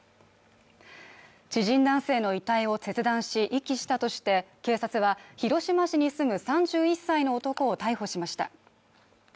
知人男性の遺体を切断し遺棄したとして、警察は広島市に住む３１歳の男を逮捕しました。